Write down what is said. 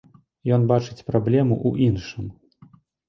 Ён бачыць праблему ў іншым.